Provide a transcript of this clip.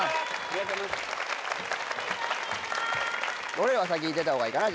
俺らが先出た方がいいかな？